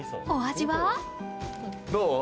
お味は？